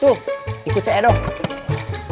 tuh ikut cik edho